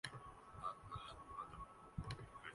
وہ ہارر فلمیں جن کے اداکار شوٹنگ کے دوران یا فورا بعد مر گئے